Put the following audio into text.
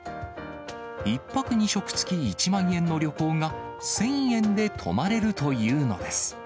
１泊２食付き１万円の旅行が、１０００円で泊まれるというのです。